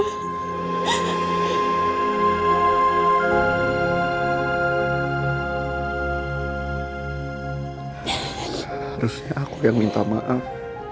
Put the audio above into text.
seharusnya aku yang minta maaf